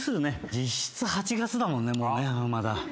実質８月だもんねまだ。